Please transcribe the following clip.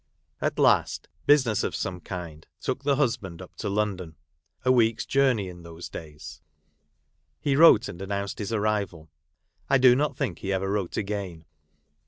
At last, business of some kind took the husband up to London ; a week's journey in those days. He wrote and an nounced his arrival ; I do not think he ever wrote again.